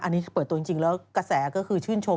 อันนี้เปิดตัวจริงแล้วกระแสก็คือชื่นชม